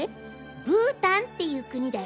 ブータンっていう国だよ。